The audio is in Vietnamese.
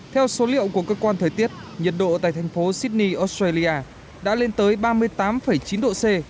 theo số liệu của cơ quan thời tiết nhiệt độ tại thành phố sydney australia đã lên tới ba mươi tám chín độ c